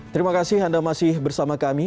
terima kasih anda masih bersama kami